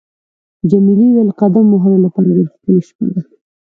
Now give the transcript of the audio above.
جميلې وويل: د قدم وهلو لپاره ډېره ښکلې شپه ده.